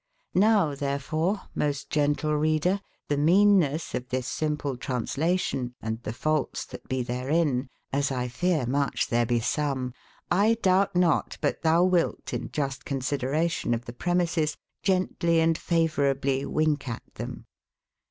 ]S^ow tberfore, most gentle reader, tbe meanesse of tbis sim ple translation, and tbe faultes tbat be tberin (as 1 f eare mucbe tbere be some) 1 doubt not, but tbou wilt, in just con sideration of tbe premisses, gentlyeand favourablye winke at tbem.